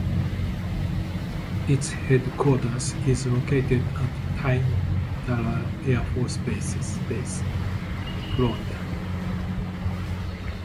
Its headquarters is located at Tyndall Air Force Base, Florida.